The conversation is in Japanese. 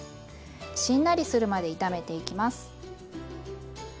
しんなりするまで炒めていきます。